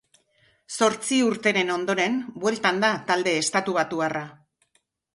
Zortzi urteren ondoren, bueltan da talde estatubatuarra.